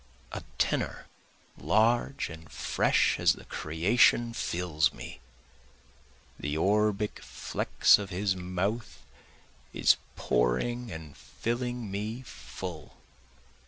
A tenor large and fresh as the creation fills me, The orbic flex of his mouth is pouring and filling me full.